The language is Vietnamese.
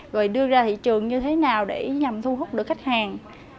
rồi đưa ra thị trường như thế nào để nhằm thu hút được khách hàng